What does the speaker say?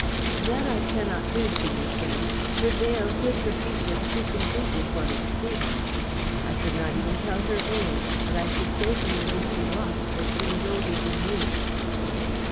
"That I cannot do," she returned. "Her veil hid her features too completely for me to see them. I could not even tell her age, but I should say, from the way she walked that she was older than you."